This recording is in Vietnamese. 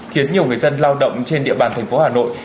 khiến nhiều người dân lao động trên địa bàn thành phố hà nội